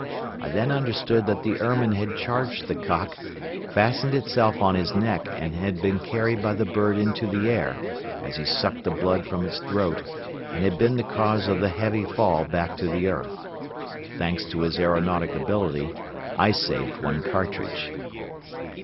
I then understood that the ermine had charged the cock, fastened itself on his neck and had been carried by the bird into the air, as he sucked the blood from its throat, and had been the cause of the heavy fall back to the earth. Thanks to his aeronautic ability I saved one cartridge.